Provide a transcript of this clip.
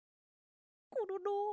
コロロ？